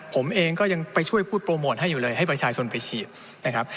ผมเองก็ยังไปช่วยพูดโปรโมทให้อยู่เลยให้ประชาชนไปฉีดนะครับ